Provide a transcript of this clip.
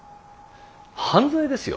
犯罪ですよ